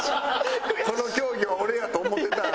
「この競技は俺や」と思ってたお互いな。